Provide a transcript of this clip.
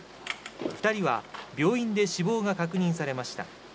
２人は病院で死亡が確認されました。